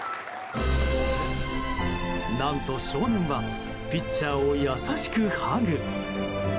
何と少年はピッチャーを優しくハグ。